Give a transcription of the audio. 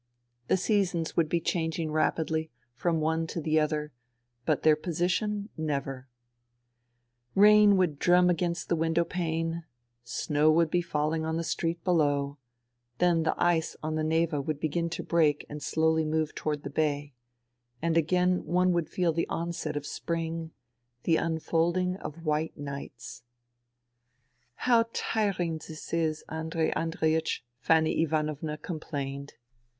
The seasons would be changing rapidly from one to the other — but their position never I Rain would drum against the window pane, snow would be falHng on the street below ; then the ice on the Neva would begin to break and slowly move to ward the Bay ; and again one would feel the onset of spring, the unfolding of white nights. ..." How tiring this is, Andrei Andreiech," Fanny Ivanovna complained.